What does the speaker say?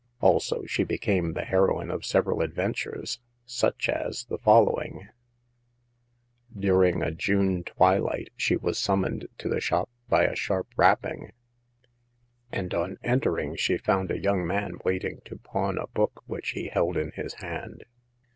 Also, she became the heroine of several adven tures, such as the following : During a June twilight she was summoned to the shop by a sharp rapping, and on entering she found a young man waiting to pawn a book which he held in his hand.